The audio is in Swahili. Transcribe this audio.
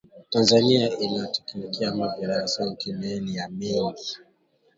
Tanzania inaletaka mayi ya dasani kalemie ya mingi